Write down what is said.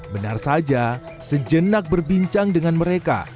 benar saja sejenak berbincang dengan mereka